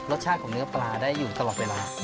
รสชาติของเนื้อปลาได้อยู่ตลอดเวลา